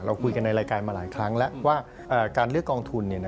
คุยกันในรายการมาหลายครั้งแล้วว่าการเลือกกองทุน